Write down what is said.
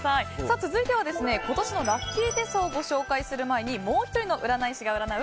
続いては今年のラッキー手相をご紹介する前にもう１人の占い師が占う